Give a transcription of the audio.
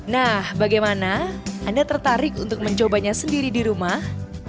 nah bagaimana anda tertarik untuk mencobanya sendiri di rumah